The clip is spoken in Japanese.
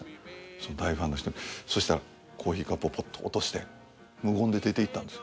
その大ファンの人そしたらコーヒーカップをポッと落として無言で出ていったんです。